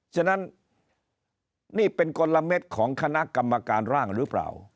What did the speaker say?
ฉะนั้นนี่เป็นกลมของคณะกรรมการร่างหรือเปล่า